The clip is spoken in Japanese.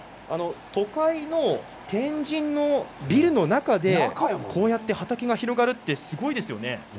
都会の天神のビルの中でこうやって畑が広がるってすごいですよね。